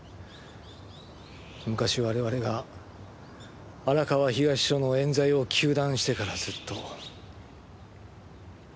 昔我々が荒川東署の冤罪を糾弾してからずっと。